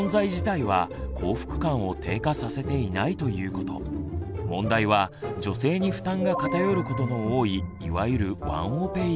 ここで大事なのは問題は女性に負担が偏ることの多いいわゆる「ワンオペ育児」。